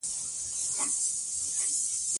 څه به کوم.شکيبا کريم ته ډاډ ورکو .